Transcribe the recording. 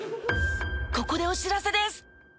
ここでお知らせです。